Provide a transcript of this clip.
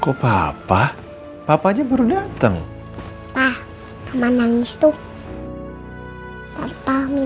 oma join boleh di sebelah mana tapi